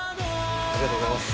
ありがとうございます。